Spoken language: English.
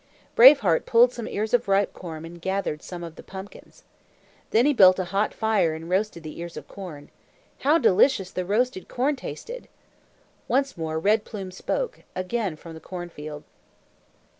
Brave Heart pulled some ears of ripe corn and gathered some of the pumpkins. Then he built a hot fire and roasted the ears of corn. How delicious the roasted corn tasted! Once more Red Plume spoke, again from the cornfield.